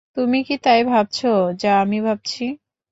তুমি কি তাই ভাবছো যা আমি ভাবছি?